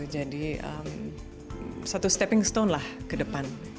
jadi satu stepping stone lah ke depan